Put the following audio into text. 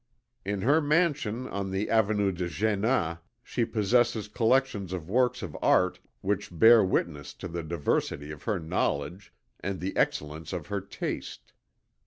In her mansion in the Avenue d'Jéna she possesses collections of works of art which bear witness to the diversity of her knowledge and the excellence of her taste.